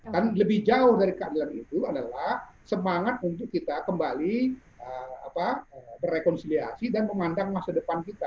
dan lebih jauh dari keadilan itu adalah semangat untuk kita kembali berrekonsiliasi dan memandang masa depan kita